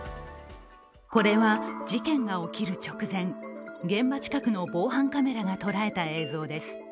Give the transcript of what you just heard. これは事件が起きる直前現場近くの防犯カメラが捉えた映像です。